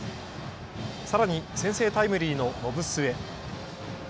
さらに先制タイムリーの延末。